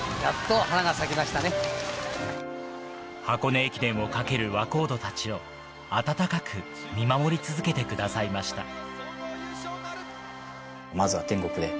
箱根駅伝を駆け抜ける若人たちを温かく見守り続けてくださいました。